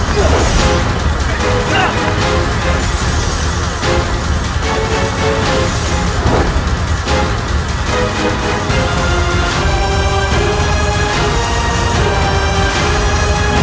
kau tidak akan berangku